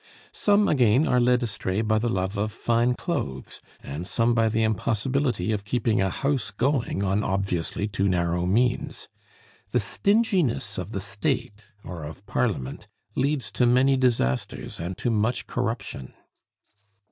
Some, again, are led astray by the love of fine clothes, and some by the impossibility of keeping a house going on obviously too narrow means. The stinginess of the State or of Parliament leads to many disasters and to much corruption.